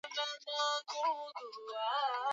Wewe ni wa maana sana.